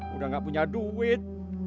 udah gak punya duit